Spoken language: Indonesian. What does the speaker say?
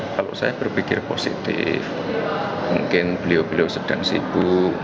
kalau saya berpikir positif mungkin beliau beliau sedang sibuk